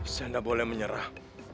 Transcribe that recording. saya tidak boleh menyerah